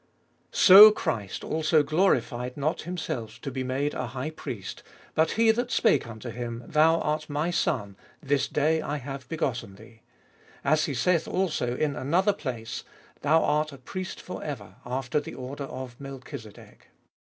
So Christ also glorified not Himself to be made a High Priest, but He that spake unto Him, Thou art My Son, this day I have begotten thee. As He saith also in another place, Thou art a Priest for ever after the order of Melchizedek.